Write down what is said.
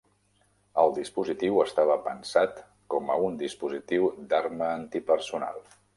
El dispositiu estava pensat com a un dispositiu d'arma anti-personal.